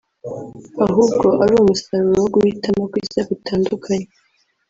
ahubwo ari umusaruro wo guhitamo kwiza gutandukanye